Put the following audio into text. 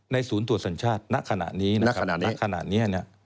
ในศูนย์ตรวจสัญชาติณขณะนี้